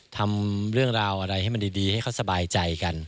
ทำเรื่องราวอะไรให้มันดีให้เขาสบายใจกัน